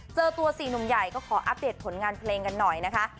เจอตัว๔หนุ่มใหญ่ก็ขออัปเดตผลงานเพลงกันหน่อยนะคะ